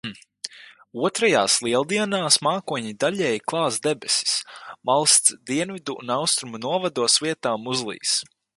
Otrajās Lieldienās mākoņi daļēji klās debesis, valsts dienvidu un austrumu novados vietām uzlīs.